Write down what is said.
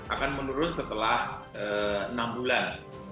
akan menurun setelah enam bulan